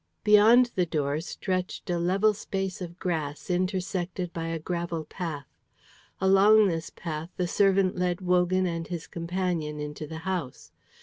Beyond the door stretched a level space of grass intersected by a gravel path. Along this path the servant led Wogan and his companion into the house.